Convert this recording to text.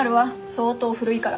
相当古いから。